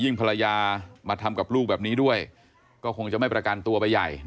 ภรรยามาทำกับลูกแบบนี้ด้วยก็คงจะไม่ประกันตัวไปใหญ่